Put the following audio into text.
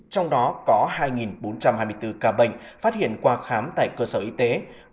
trong đó có hai bốn trăm hai mươi bốn ca bệnh phát hiện qua khám tại cơ sở y tế